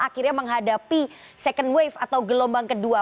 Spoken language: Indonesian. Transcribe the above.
akhirnya menghadapi second wave atau gelombang kedua